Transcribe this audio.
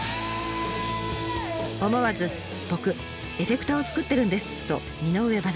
思わず「僕エフェクターをつくってるんです」と身の上話。